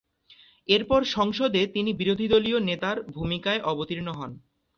এরপর সংসদে তিনি বিরোধীদলীয় নেতার ভূমিকায় অবতীর্ণ হন।